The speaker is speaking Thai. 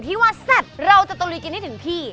ที่ว่าแซ็กเราจะตรีกินให้ถึงพี่